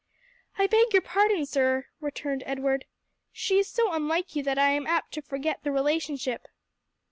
"I beg your pardon, sir," returned Edward. "She is so unlike you that I am apt to forget the relationship."